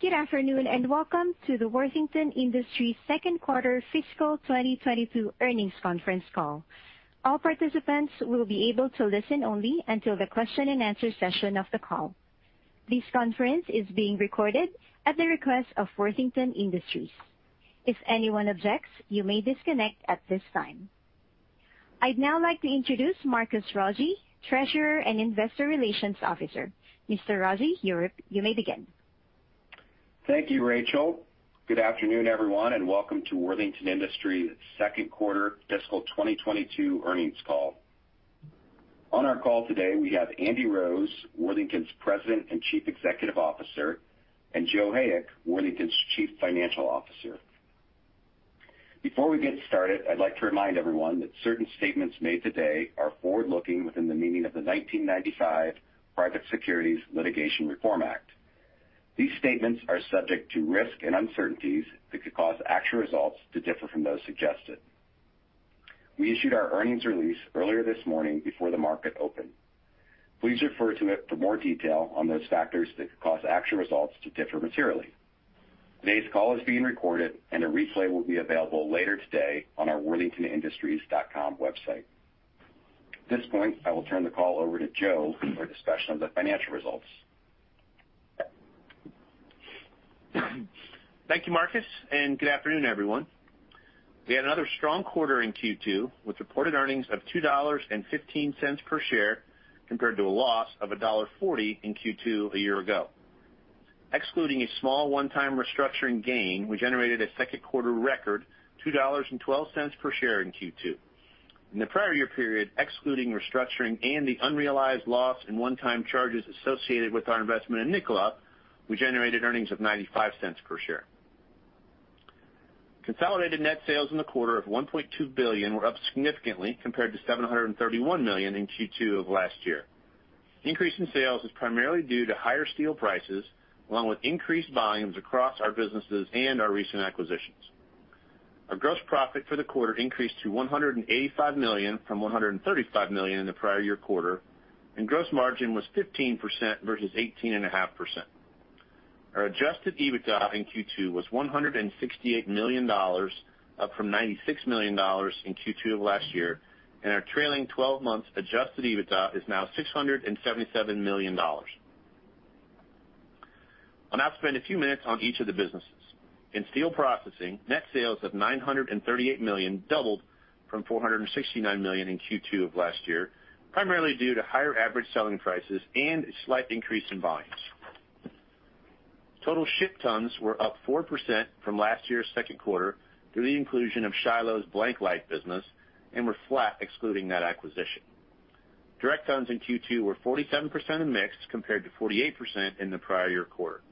Good afternoon, and welcome to the Worthington Industries second quarter fiscal 2022 earnings conference call. All participants will be able to listen only until the question-and-answer session of the call. This conference is being recorded at the request of Worthington Industries. If anyone objects, you may disconnect at this time. I'd now like to introduce Marcus Rogier, Treasurer and Investor Relations Officer. Mr. Rogier, you may begin. Thank you, Rachel. Good afternoon, everyone, and welcome to Worthington Industries second quarter fiscal 2022 earnings call. On our call today, we have Andy Rose, Worthington's President and Chief Executive Officer, and Joe Hayek, Worthington's Chief Financial Officer. Before we get started, I'd like to remind everyone that certain statements made today are forward-looking within the meaning of the 1995 Private Securities Litigation Reform Act. These statements are subject to risk and uncertainties that could cause actual results to differ from those suggested. We issued our earnings release earlier this morning before the market opened. Please refer to it for more detail on those factors that could cause actual results to differ materially. Today's call is being recorded and a replay will be available later today on our worthingtonindustries.com website. At this point, I will turn the call over to Joe for a discussion of the financial results. Thank you, Marcus, and good afternoon, everyone. We had another strong quarter in Q2 with reported earnings of $2.15 per share compared to a loss of $1.40 in Q2 a year ago. Excluding a small one-time restructuring gain, we generated a second quarter record, $2.12 per share in Q2. In the prior year period, excluding restructuring and the unrealized loss and one-time charges associated with our investment in Nikola, we generated earnings of $0.95 per share. Consolidated net sales in the quarter of $1.2 billion were up significantly compared to $731 million in Q2 of last year. Increase in sales is primarily due to higher steel prices, along with increased volumes across our businesses and our recent acquisitions. Our gross profit for the quarter increased to $185 million from $135 million in the prior year quarter, and gross margin was 15% versus 18.5%. Our adjusted EBITDA in Q2 was $168 million, up from $96 million in Q2 of last year, and our trailing 12 months adjusted EBITDA is now $677 million. I'll now spend a few minutes on each of the businesses. In steel processing, net sales of $938 million doubled from $469 million in Q2 of last year, primarily due to higher average selling prices and a slight increase in volumes. Total shipped tons were up 4% from last year's second quarter through the inclusion of Shiloh's BlankLight business and were flat excluding that acquisition. Direct tons in Q2 were 47% in mix compared to 48% in the prior year quarter.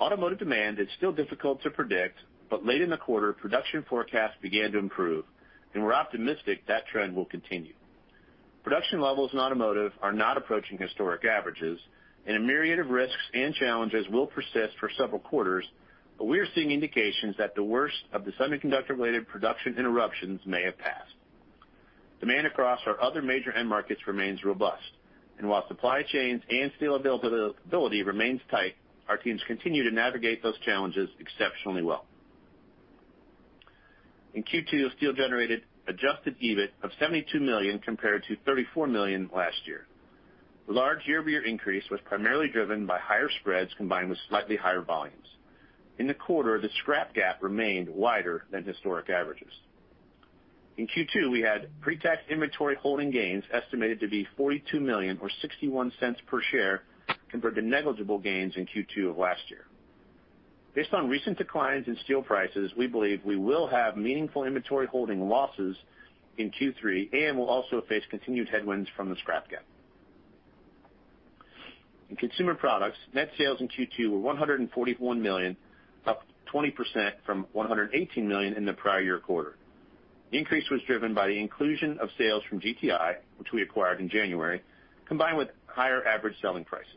Automotive demand is still difficult to predict, but late in the quarter, production forecasts began to improve, and we're optimistic that trend will continue. Production levels in automotive are not approaching historic averages, and a myriad of risks and challenges will persist for several quarters, but we're seeing indications that the worst of the semiconductor-related production interruptions may have passed. Demand across our other major end markets remains robust. While supply chains and steel availability remains tight, our teams continue to navigate those challenges exceptionally well. In Q2, steel generated adjusted EBIT of $72 million compared to $34 million last year. The large year-over-year increase was primarily driven by higher spreads combined with slightly higher volumes. In the quarter, the scrap gap remained wider than historic averages. In Q2, we had pre-tax inventory holding gains estimated to be $42 million or $0.61 per share compared to negligible gains in Q2 of last year. Based on recent declines in steel prices, we believe we will have meaningful inventory holding losses in Q3 and will also face continued headwinds from the scrap gap. In Consumer Products, net sales in Q2 were $141 million, up 20% from $118 million in the prior year quarter. The increase was driven by the inclusion of sales from GTI, which we acquired in January, combined with higher average selling prices.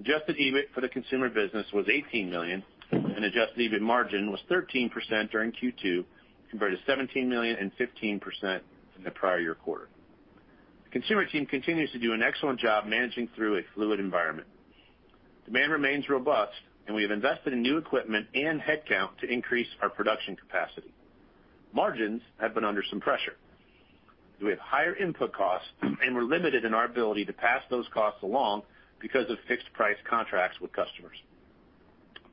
Adjusted EBIT for the Consumer Products business was $18 million, and adjusted EBIT margin was 13% during Q2, compared to $17 million and 15% in the prior year quarter. The Consumer Products team continues to do an excellent job managing through a fluid environment. Demand remains robust, and we have invested in new equipment and headcount to increase our production capacity. Margins have been under some pressure. We have higher input costs, and we're limited in our ability to pass those costs along because of fixed-price contracts with customers.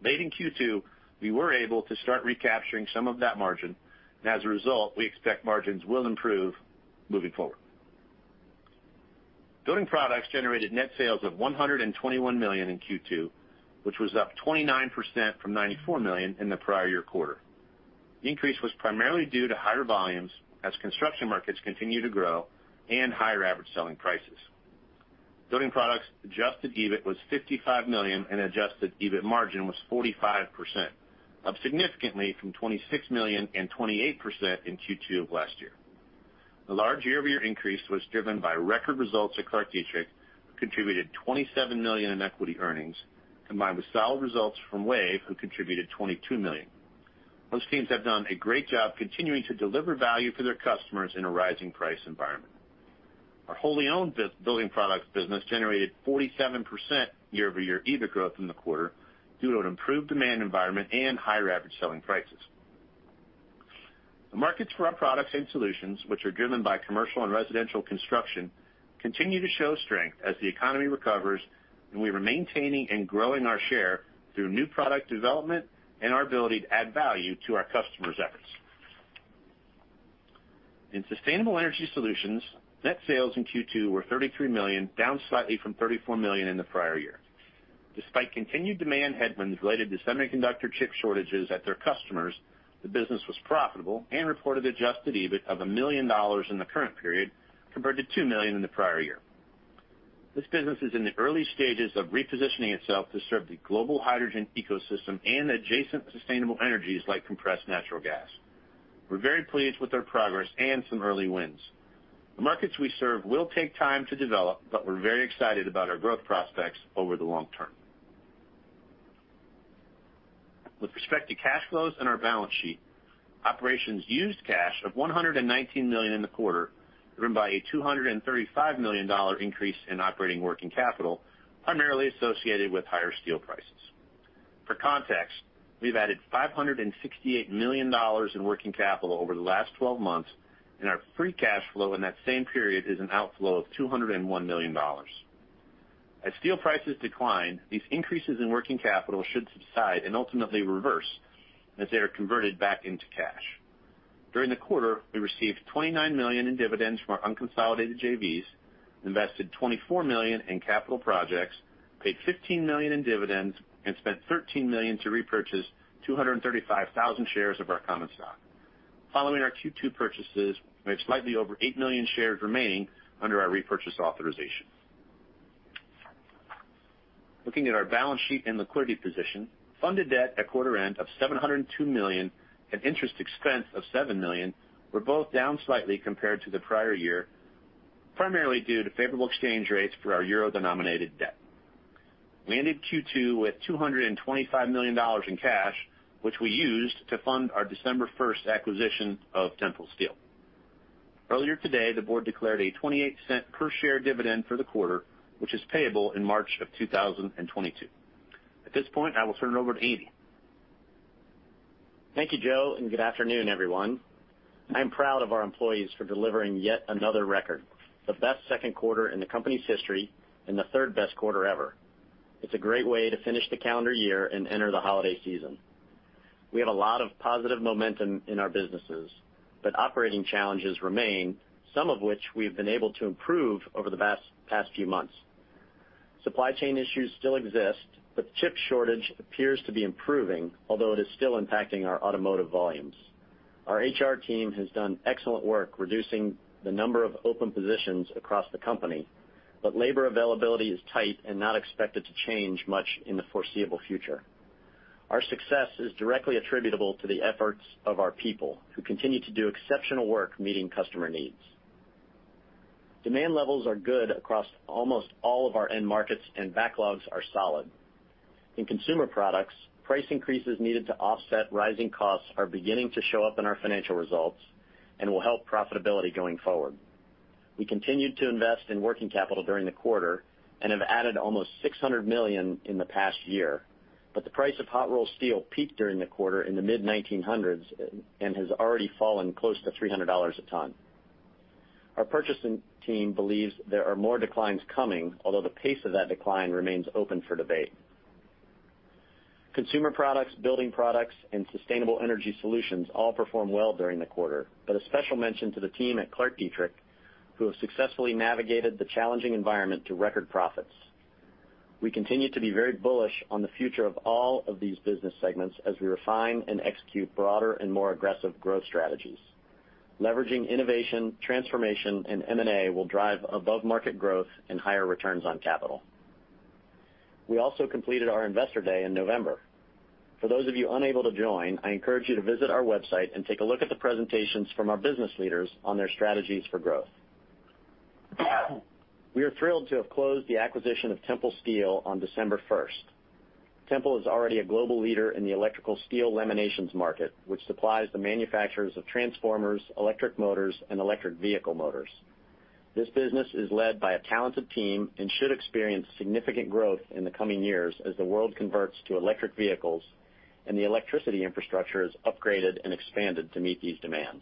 Late in Q2, we were able to start recapturing some of that margin, and as a result, we expect margins will improve moving forward. Building Products generated net sales of $121 million in Q2, which was up 29% from $94 million in the prior year quarter. The increase was primarily due to higher volumes as construction markets continue to grow and higher average selling prices. Building Products' adjusted EBIT was $55 million, and adjusted EBIT margin was 45%, up significantly from $26 million and 28% in Q2 of last year. The large year-over-year increase was driven by record results at ClarkDietrich, who contributed $27 million in equity earnings, combined with solid results from WAVE, who contributed $22 million. Those teams have done a great job continuing to deliver value for their customers in a rising price environment. Our wholly owned Building Products business generated 47% year-over-year EBIT growth in the quarter due to an improved demand environment and higher average selling prices. The markets for our products and solutions, which are driven by commercial and residential construction, continue to show strength as the economy recovers, and we are maintaining and growing our share through new product development and our ability to add value to our customers' efforts. In Sustainable Energy Solutions, net sales in Q2 were $33 million, down slightly from $34 million in the prior year. Despite continued demand headwinds related to semiconductor chip shortages at their customers, the business was profitable and reported adjusted EBIT of $1 million in the current period compared to $2 million in the prior year. This business is in the early stages of repositioning itself to serve the global hydrogen ecosystem and adjacent sustainable energies like compressed natural gas. We're very pleased with their progress and some early wins. The markets we serve will take time to develop, but we're very excited about our growth prospects over the long term. With respect to cash flows and our balance sheet, operations used cash of $119 million in the quarter, driven by a $235 million increase in operating working capital, primarily associated with higher steel prices. For context, we've added $568 million in working capital over the last 12 months, and our free cash flow in that same period is an outflow of $201 million. As steel prices decline, these increases in working capital should subside and ultimately reverse as they are converted back into cash. During the quarter, we received $29 million in dividends from our unconsolidated JVs, invested $24 million in capital projects, paid $15 million in dividends, and spent $13 million to repurchase 235,000 shares of our common stock. Following our Q2 purchases, we have slightly over 8 million shares remaining under our repurchase authorization. Looking at our balance sheet and liquidity position, funded debt at quarter end of $702 million and interest expense of $7 million were both down slightly compared to the prior year, primarily due to favorable exchange rates for our euro-denominated debt. We ended Q2 with $225 million in cash, which we used to fund our December 1 acquisition of Tempel Steel. Earlier today, the board declared a $0.28t per share dividend for the quarter, which is payable in March of 2022. At this point, I will turn it over to Andy. Thank you, Joe, and good afternoon, everyone. I am proud of our employees for delivering yet another record, the best second quarter in the company's history and the third-best quarter ever. It's a great way to finish the calendar year and enter the holiday season. We have a lot of positive momentum in our businesses, but operating challenges remain, some of which we've been able to improve over the past few months. Supply chain issues still exist, but the chip shortage appears to be improving, although it is still impacting our automotive volumes. Our HR team has done excellent work reducing the number of open positions across the company, but labor availability is tight and not expected to change much in the foreseeable future. Our success is directly attributable to the efforts of our people, who continue to do exceptional work meeting customer needs. Demand levels are good across almost all of our end markets, and backlogs are solid. In Consumer Products, price increases needed to offset rising costs are beginning to show up in our financial results and will help profitability going forward. We continued to invest in working capital during the quarter and have added almost $600 million in the past year, but the price of hot-rolled steel peaked during the quarter in the mid-$1,900s and has already fallen close to $300 a ton. Our purchasing team believes there are more declines coming, although the pace of that decline remains open for debate. Consumer Products, Building Products, and Sustainable Energy Solutions all performed well during the quarter, but a special mention to the team at ClarkDietrich, who have successfully navigated the challenging environment to record profits. We continue to be very bullish on the future of all of these business segments as we refine and execute broader and more aggressive growth strategies. Leveraging innovation, transformation, and M&A will drive above-market growth and higher returns on capital. We also completed our Investor Day in November. For those of you unable to join, I encourage you to visit our website and take a look at the presentations from our business leaders on their strategies for growth. We are thrilled to have closed the acquisition of Tempel Steel on December first. Tempel Steel is already a global leader in the electrical steel laminations market, which supplies the manufacturers of transformers, electric motors, and electric vehicle motors. This business is led by a talented team and should experience significant growth in the coming years as the world converts to electric vehicles and the electricity infrastructure is upgraded and expanded to meet these demands.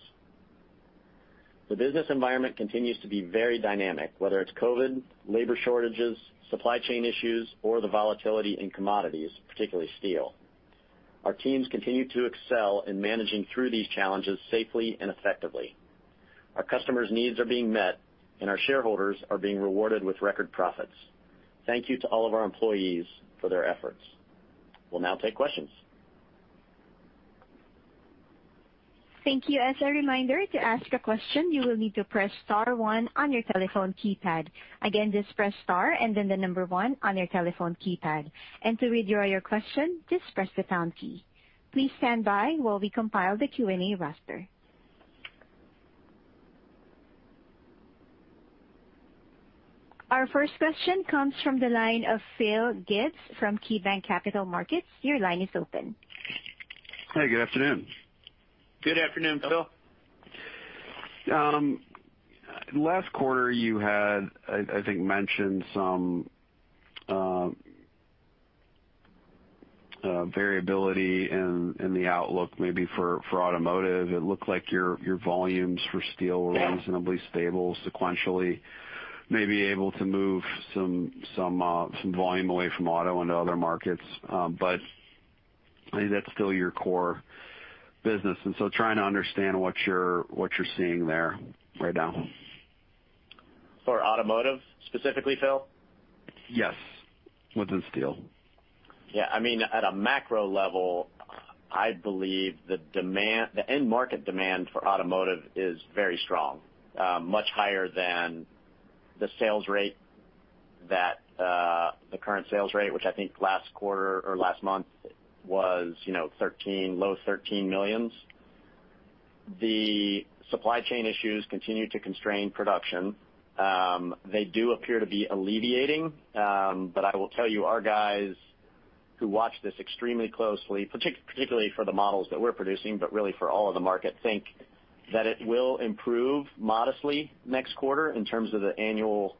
The business environment continues to be very dynamic, whether it's COVID, labor shortages, supply chain issues, or the volatility in commodities, particularly steel. Our teams continue to excel in managing through these challenges safely and effectively. Our customers' needs are being met, and our shareholders are being rewarded with record profits. Thank you to all of our employees for their efforts. We'll now take questions. Thank you. As a reminder, to ask a question, you will need to press star one on your telephone keypad. Again, just press star and then the number one on your telephone keypad. To withdraw your question, just press the pound key. Please stand by while we compile the Q and A roster. Our first question comes from the line of Phil Gibbs from KeyBanc Capital Markets. Your line is open. Hey, good afternoon. Good afternoon, Phil. Last quarter, you had, I think, mentioned some variability in the outlook maybe for automotive. It looked like your volumes for steel were reasonably stable sequentially, maybe able to move some volume away from auto into other markets. I think that's still your core business, and so trying to understand what you're seeing there right now. For automotive specifically, Phil? Yes. Within steel. I mean, at a macro level, I believe the demand, the end market demand for automotive is very strong, much higher than the sales rate that, the current sales rate, which I think last quarter or last month was, you know, 13, low 13 millions. The supply chain issues continue to constrain production. They do appear to be alleviating. I will tell you, our guys who watch this extremely closely, particularly for the models that we're producing, but really for all of the market, think that it will improve modestly next quarter in terms of the annual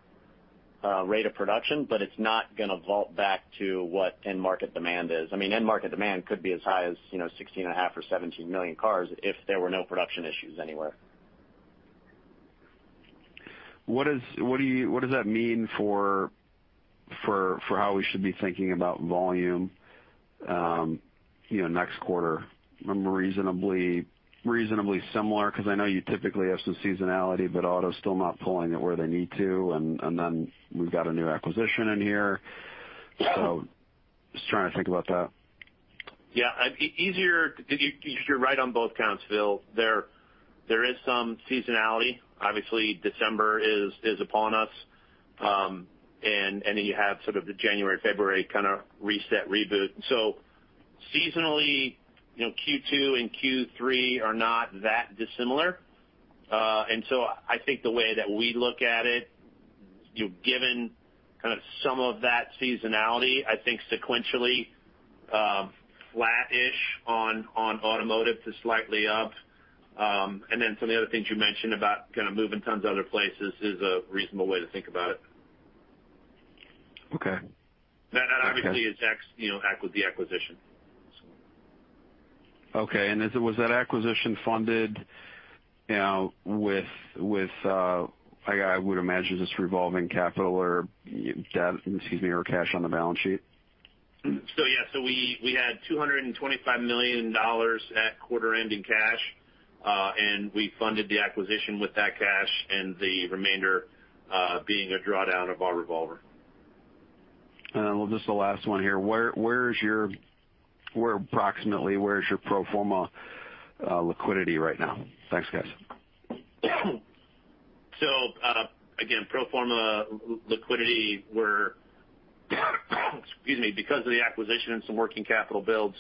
rate of production, but it's not gonna vault back to what end market demand is. I mean, end market demand could be as high as, you know, 16.5 or 17 million cars if there were no production issues anywhere. What does that mean for how we should be thinking about volume, you know, next quarter? I'm reasonably similar 'cause I know you typically have some seasonality, but auto's still not pulling it where they need to, and then we've got a new acquisition in here. Just trying to think about that. Yeah. You're right on both counts, Phil. There is some seasonality. Obviously, December is upon us, and you have sort of the January, February kinda reset reboot. Seasonally, you know, Q2 and Q3 are not that dissimilar. I think the way that we look at it, you know, given kind of some of that seasonality, I think sequentially, flat-ish on automotive to slightly up. Some of the other things you mentioned about kinda moving tons to other places is a reasonable way to think about it. Okay. Okay. That obviously is, you know, with the acquisition. Okay. Was that acquisition funded, you know, with revolving capital or debt, excuse me, or cash on the balance sheet? We had $225 million at quarter-end cash, and we funded the acquisition with that cash and the remainder being a drawdown of our revolver. Well, just the last one here. Where approximately is your pro forma liquidity right now? Thanks, guys. Again, pro forma liquidity, because of the acquisition and some working capital builds,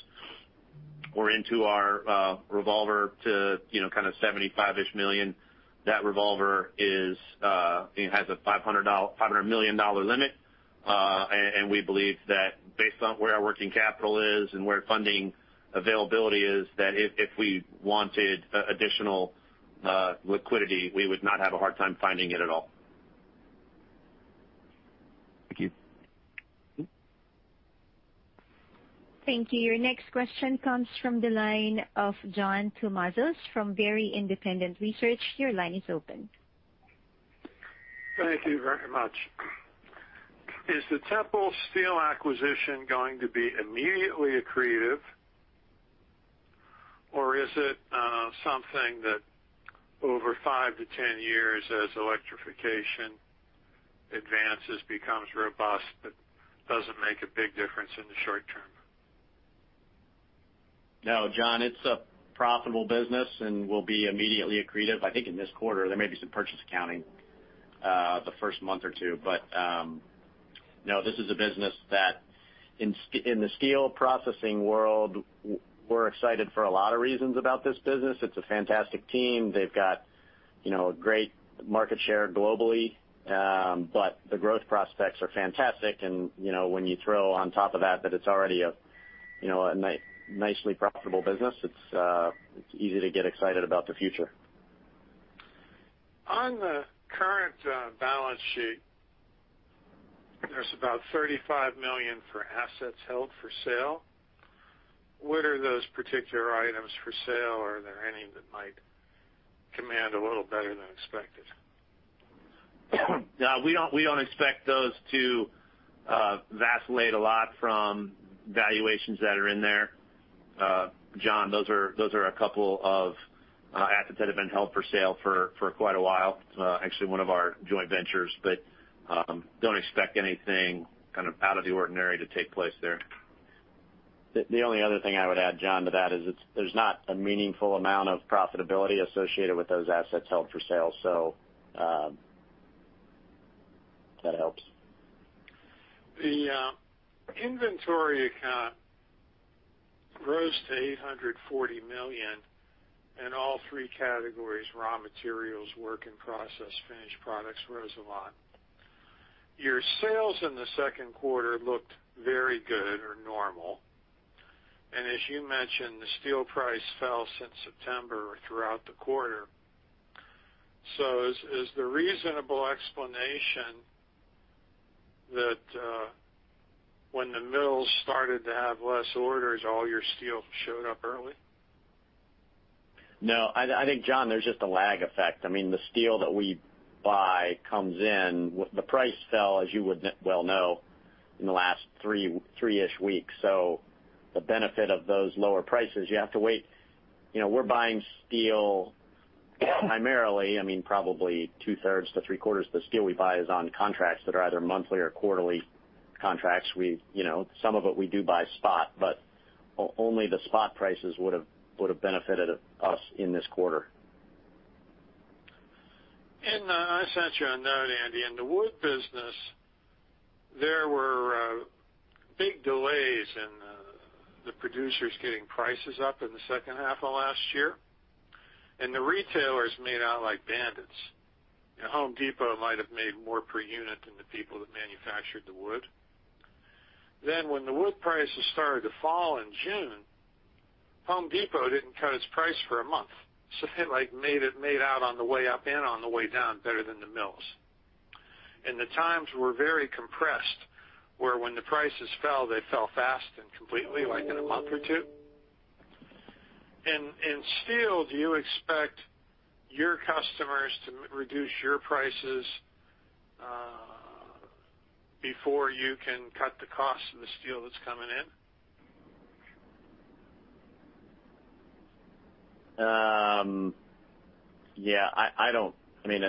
we're into our revolver to, you know, kinda 75-ish million. That revolver is, it has a $500 million limit. And we believe that based on where our working capital is and where funding availability is, that if we wanted additional liquidity, we would not have a hard time finding it at all. Thank you. Thank you. Your next question comes from the line of John Tumazos from Very Independent Research. Your line is open. Thank you very much. Is the Tempel Steel acquisition going to be immediately accretive, or is it something that over five to 10 years as electrification advances, becomes robust, but doesn't make a big difference in the short term? No, John, it's a profitable business and will be immediately accretive. I think in this quarter, there may be some purchase accounting, the first month or two. No, this is a business that in the steel processing world, we're excited for a lot of reasons about this business. It's a fantastic team. They've got, you know, great market share globally, but the growth prospects are fantastic. You know, when you throw on top of that it's already a, you know, a nicely profitable business, it's easy to get excited about the future. On the current balance sheet, there's about $35 million for assets held for sale. What are those particular items for sale? Are there any that might command a little better than expected? Yeah. We don't expect those to vacillate a lot from valuations that are in there. John, those are a couple of assets that have been held for sale for quite a while, actually one of our joint ventures, but don't expect anything kind of out of the ordinary to take place there. The only other thing I would add, John, to that is there's not a meaningful amount of profitability associated with those assets held for sale. If that helps. The inventory account rose to $840 million in all three categories, raw materials, work in process, finished products rose a lot. Your sales in the second quarter looked very good or normal. As you mentioned, the steel price fell since September throughout the quarter. Is the reasonable explanation that when the mills started to have less orders, all your steel showed up early? No, I think, John, there's just a lag effect. I mean, the steel that we buy comes in. The price fell, as you would well know, in the last three-ish weeks. So the benefit of those lower prices, you have to wait. You know, we're buying steel primarily, I mean, probably two-thirds to three-quarters of the steel we buy is on contracts that are either monthly or quarterly contracts. You know, some of it we do buy spot, but only the spot prices would've benefited us in this quarter. I sent you a note, Andy. In the wood business, there were big delays in the producers getting prices up in the second half of last year, and the retailers made out like bandits. You know, Home Depot might have made more per unit than the people that manufactured the wood. When the wood prices started to fall in June, Home Depot didn't cut its price for a month. They like made out on the way up and on the way down better than the mills. The times were very compressed, where when the prices fell, they fell fast and completely, like in a month or two. In steel, do you expect your customers to reduce your prices before you can cut the cost of the steel that's coming in? Yeah, I mean,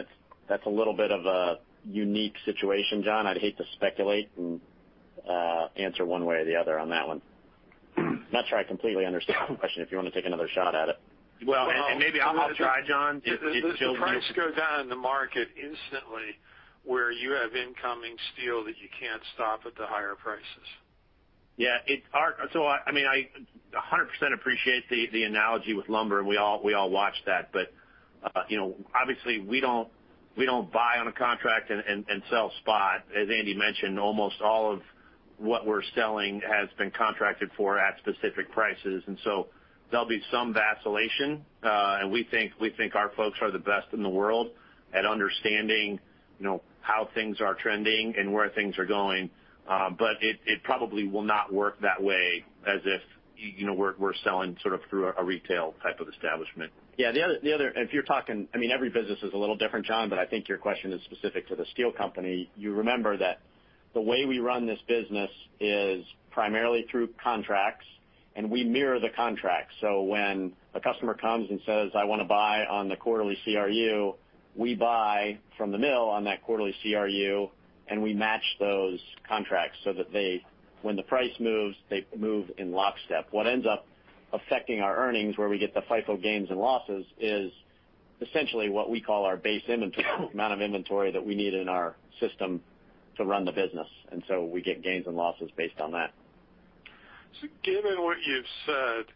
that's a little bit of a unique situation, John. I'd hate to speculate and answer one way or the other on that one. Not sure I completely understand the question if you wanna take another shot at it. Well, maybe I'll try, John. Well, the price goes down in the market instantly where you have incoming steel that you can't stop at the higher prices. I mean, I 100% appreciate the analogy with lumber, and we all watch that. You know, obviously, we don't buy on a contract and sell spot. As Andy mentioned, almost all of what we're selling has been contracted for at specific prices. There'll be some vacillation. We think our folks are the best in the world at understanding, you know, how things are trending and where things are going. It probably will not work that way as if, you know, we're selling sort of through a retail type of establishment. If you're talking, I mean, every business is a little different, John, but I think your question is specific to the steel company. You remember that the way we run this business is primarily through contracts, and we mirror the contracts. When a customer comes and says, "I wanna buy on the quarterly CRU," we buy from the mill on that quarterly CRU, and we match those contracts so that they, when the price moves, they move in lockstep. What ends up affecting our earnings, where we get the FIFO gains and losses, is essentially what we call our base inventory, the amount of inventory that we need in our system to run the business. We get gains and losses based on that. Given what you've said,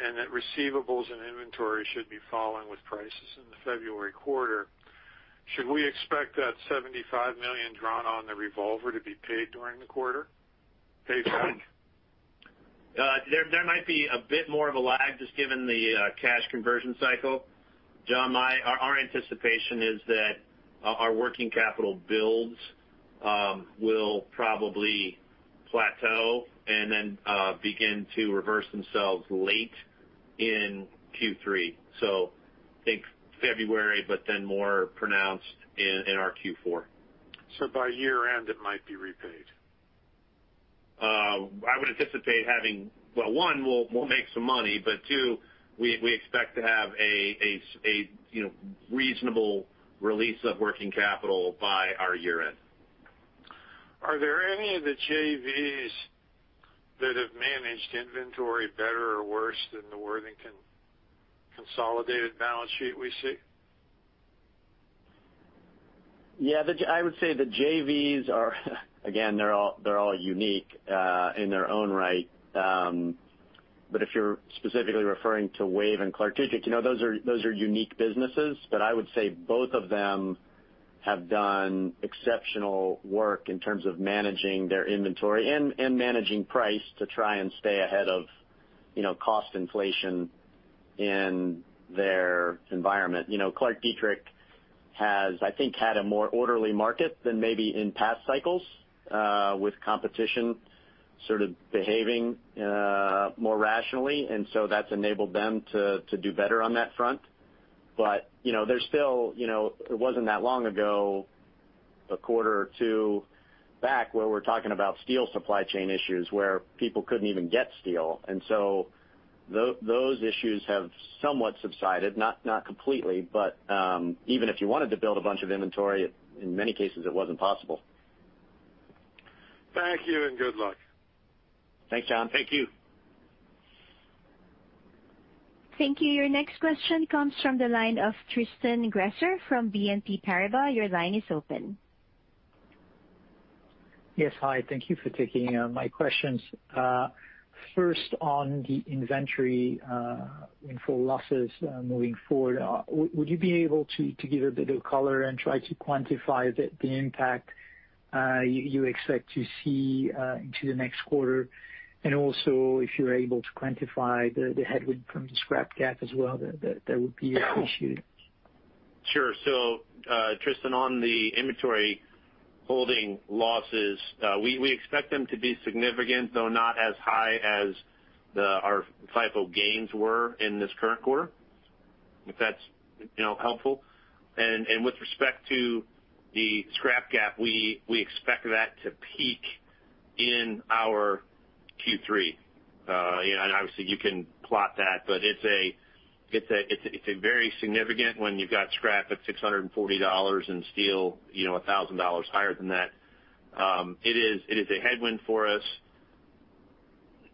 and that receivables and inventory should be falling with prices in the February quarter, should we expect that $75 million drawn on the revolver to be paid during the quarter? Paid back? There might be a bit more of a lag just given the cash conversion cycle. John, our anticipation is that our working capital builds will probably plateau and then begin to reverse themselves late in Q3. Think February, but then more pronounced in our Q4. By year-end, it might be repaid. Well, one, we'll make some money, but two, we expect to have a, you know, reasonable release of working capital by our year-end. Are there any of the JVs that have managed inventory better or worse than the Worthington consolidated balance sheet we see? I would say the JVs are, again, they're all unique in their own right. But if you're specifically referring to WAVE and ClarkDietrich, you know, those are unique businesses. I would say both of them have done exceptional work in terms of managing their inventory and managing price to try and stay ahead of, you know, cost inflation in their environment. You know, ClarkDietrich has, I think, had a more orderly market than maybe in past cycles with competition sort of behaving more rationally. That's enabled them to do better on that front. You know, there's still, you know, it wasn't that long ago, a quarter or two back, where we're talking about steel supply chain issues where people couldn't even get steel. Those issues have somewhat subsided, not completely, but even if you wanted to build a bunch of inventory, in many cases it wasn't possible. Thank you, and good luck. Thanks, John. Thank you. Thank you. Your next question comes from the line of Tristan Gresser from Exane BNP Paribas. Your line is open. Yes. Hi. Thank you for taking my questions. First on the inventory LIFO losses moving forward, would you be able to give a bit of color and try to quantify the impact you expect to see into the next quarter? Also if you're able to quantify the headwind from the scrap gap as well, that would be appreciated. Sure. Tristan, on the inventory holding losses, we expect them to be significant, though not as high as our FIFO gains were in this current quarter, if that's, you know, helpful. With respect to the scrap gap, we expect that to peak in our Q3. Obviously you can plot that, but it's a very significant when you've got scrap at $640 and steel, you know, $1,000 higher than that. It is a headwind for us.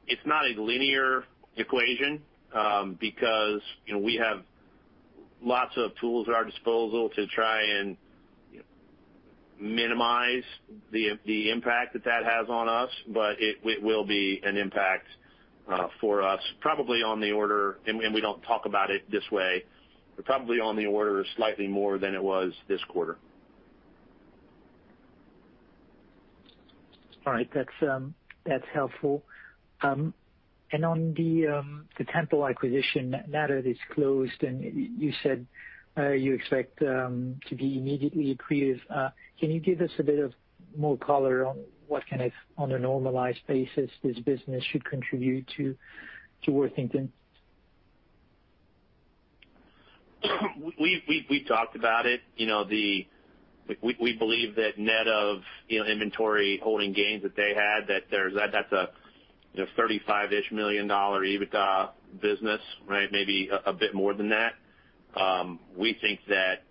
It's not a linear equation, because, you know, we have lots of tools at our disposal to try and minimize the impact that that has on us, but it will be an impact for us probably on the order... We don't talk about it this way, but probably on the order of slightly more than it was this quarter. All right. That's helpful. On the Tempel acquisition, now that it's closed and you said you expect to be immediately accretive, can you give us a bit more color on what kind of on a normalized basis this business should contribute to Worthington? We talked about it. We believe that net of inventory holding gains that they had, that's a $35 million-ish EBITDA business, right? Maybe a bit more than that. We think that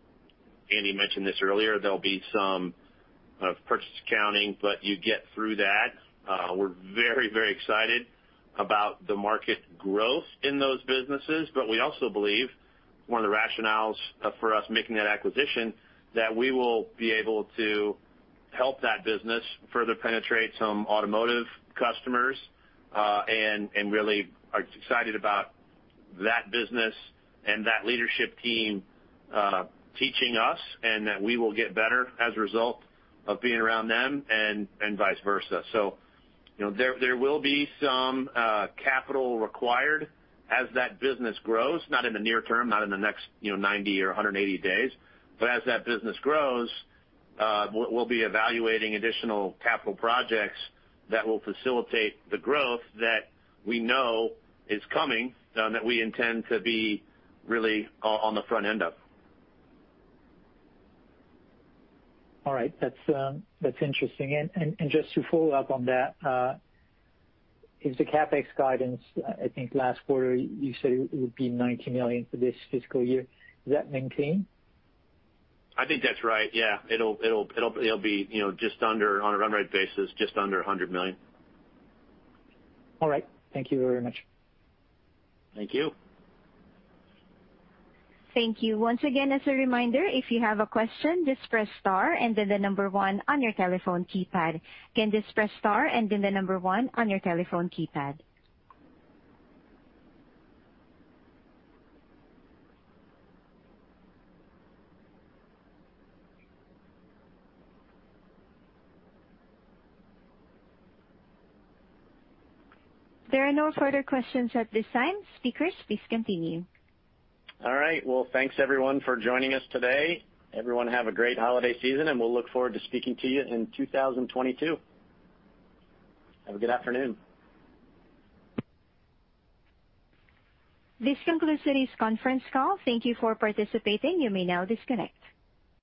Andy mentioned this earlier, there'll be some purchase accounting, but you get through that. We're very, very excited about the market growth in those businesses, but we also believe one of the rationales for us making that acquisition, that we will be able to help that business further penetrate some automotive customers, and really are excited about that business and that leadership team teaching us and that we will get better as a result of being around them and vice versa. You know, there will be some capital required as that business grows, not in the near term, not in the next, you know, 90 or 180 days. As that business grows, we'll be evaluating additional capital projects that will facilitate the growth that we know is coming, that we intend to be really on the front end of. All right. That's interesting. Just to follow up on that, is the CapEx guidance, I think last quarter you said it would be $90 million for this fiscal year. Is that maintained? I think that's right. Yeah. It'll be, you know, just under on a run rate basis, just under $100 million. All right. Thank you very much. Thank you. Thank you. Once again, as a reminder, if you have a question, just press star and then the number one on your telephone keypad. Again, just press star and then the number one on your telephone keypad. There are no further questions at this time. Speakers, please continue. All right. Well, thanks everyone for joining us today. Everyone have a great holiday season, and we'll look forward to speaking to you in 2022. Have a good afternoon. This concludes today's conference call. Thank you for participating. You may now disconnect.